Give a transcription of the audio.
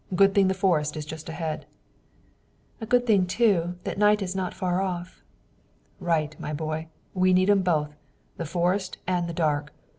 Good thing the forest is just ahead." "And a good thing, too, that night is not far off." "Right, my boy, we need 'em both, the forest and the dark.